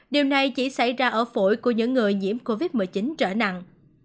điều này chỉ xảy ra ở phổi của những người nhiễm covid một mươi chín trở nặng